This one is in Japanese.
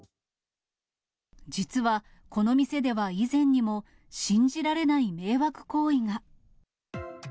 実はこの店では以前にも、信じられない迷惑行為が。